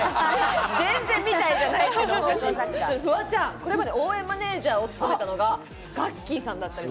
フワちゃん、これまで応援マネジャーを務めたのがガッキーさんだったり。